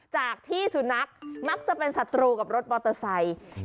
จากที่สุนัขมักจะเป็นศัตรูกับรถมอเตอร์ไซค์